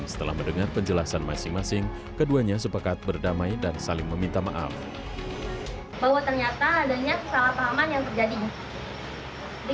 saat ini saya dan driver sudah saling meminta maaf dan memaafkan atas kesalahpahaman yang terjadi